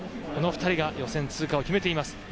この２人が予選通過を決めています。